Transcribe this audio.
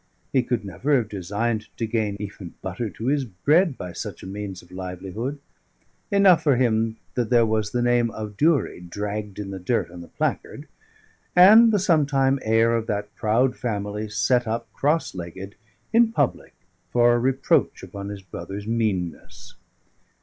He could never have designed to gain even butter to his bread by such a means of livelihood: enough for him that there was the name of Durie dragged in the dirt on the placard, and the sometime heir of that proud family set up cross legged in public for a reproach upon his brother's meanness.